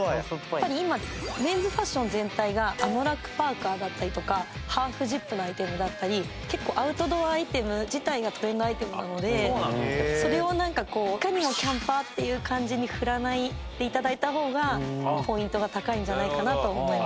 今メンズファッション全体がアノラックパーカーだったりとかハーフジップのアイテムだったり結構アウトドアアイテム自体がトレンドアイテムなのでそれをなんかこういかにもキャンパーっていう感じに振らないで頂いた方がポイントが高いんじゃないかなと思います。